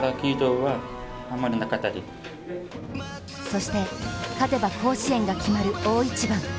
そして、勝てば甲子園が決まる大一番。